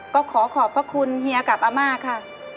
ก็ขอขอบพระคุณเฮียกับอาม่าค่ะ